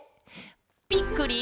「びっくり！